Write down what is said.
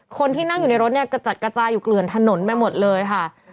คนที่นั่งอยู่ในรถเนี่ยกระจัดกระจายอยู่เกลื่อนถนนไปหมดเลยค่ะ